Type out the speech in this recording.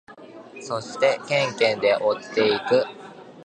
そしてケンケンで追っていく。